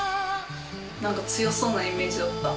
何か強そうなイメージだった。